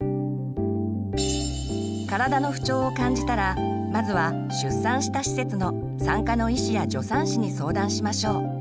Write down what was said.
体の不調を感じたらまずは出産した施設の産科の医師や助産師に相談しましょう。